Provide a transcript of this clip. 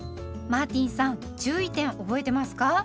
マーティンさん注意点覚えてますか？